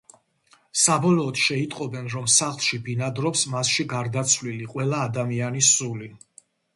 საბოლოოდ შეიტყობენ, რომ სახლში ბინადრობს მასში გარდაცვლილი ყველა ადამიანის სული.